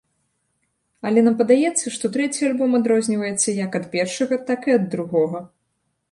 Але нам падаецца, што трэці альбом адрозніваецца як ад першага, так і ад другога.